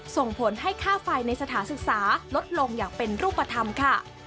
ส่งผลให้ค่าไฟในสถานศึกษาลดลงอย่างเป็นรูปธรรมค่ะ